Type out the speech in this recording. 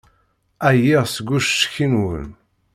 Ɛyiɣ seg ucetki-nwen.